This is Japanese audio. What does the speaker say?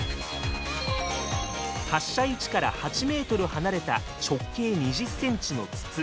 発射位置から８メートル離れた直径２０センチの筒。